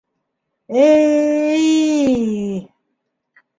Э-й-й!